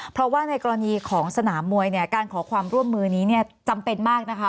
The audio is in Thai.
เพราะว่าในกรณีของสนามมวยเนี่ยการขอความร่วมมือนี้เนี่ยจำเป็นมากนะคะ